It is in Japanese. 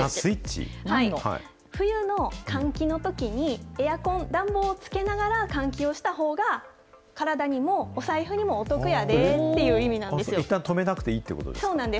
冬の換気のとき、エアコン、暖房をつけながら換気をしたほうが体にもお財布にもお得やでっていったん止めなくていいといそうなんです。